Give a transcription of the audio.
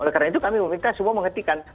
oleh karena itu kami meminta semua menghentikan